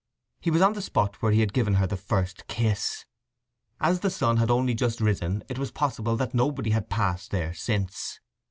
He was on the spot where he had given her the first kiss. As the sun had only just risen it was possible that nobody had passed there since.